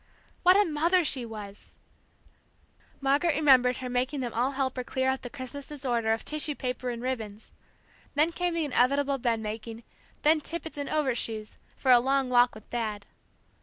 What a mother she was, Margaret remembered her making them all help her clear up the Christmas disorder of tissue paper and ribbons; then came the inevitable bed making, then tippets and overshoes, for a long walk with Dad.